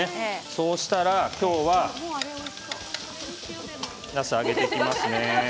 そしたら今日はなすを揚げていきますね。